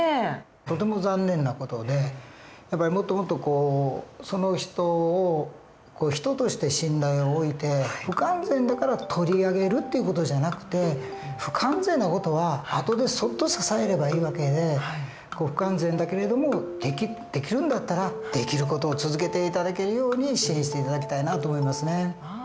とても残念な事でやっぱりもっともっとその人を人として信頼を置いて不完全だから取り上げるっていう事じゃなくて不完全な事は後でそっと支えればいい訳で不完全だけれどもできるんだったらできる事を続けて頂けるように支援して頂きたいなと思いますね。